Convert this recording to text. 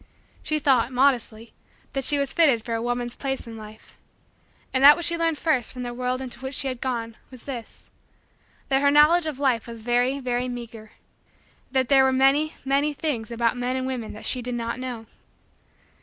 She thought, modestly, that she was fitted for a woman's place in life. And that which she learned first from the world into which she had gone was this: that her knowledge of life was very, very, meager; that there were many, many, things about men and women that she did not know.